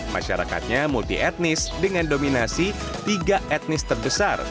masyarakatnya multi etnis dengan dominasi tiga etnis terbesar